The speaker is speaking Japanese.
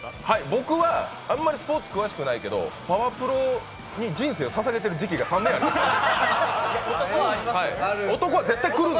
僕はあんまりスポーツ詳しくないけど「パワプロ」に人生を捧げてる時期が３年ある。